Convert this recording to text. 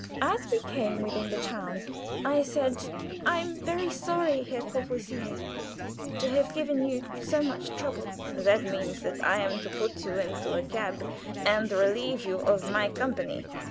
As we came within the town, I said: "I am very sorry, Herr Courvoisier, to have given you so much trouble." "That means that I am to put you into a cab and relieve you of my company."